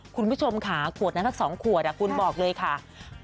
คุณผู้ชมค่ะขวดนั้นสัก๒ขวดคุณบอกเลยค่ะ